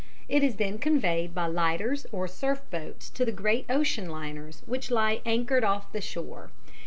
It is then conveyed by lighters or surf boats to the great ocean liners which lie anchored off the shore.